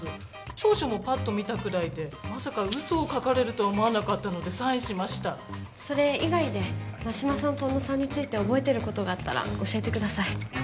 調書もパッと見たくらいでまさか嘘を書かれるとは思わなかったのでサインしましたそれ以外で真島さんと小野さんについて覚えてることを教えてください